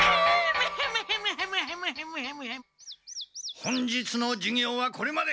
本日の授業はこれまで。